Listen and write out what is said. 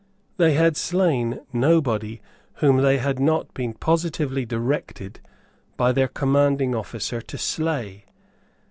They had slain nobody whom they had not been positively directed by their commanding officer to slay.